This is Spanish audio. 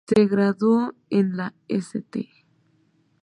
Se graduó en la St.